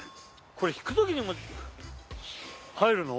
れ引くときにも入るの？